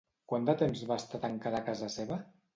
Quant de temps va estar tancada a casa seva?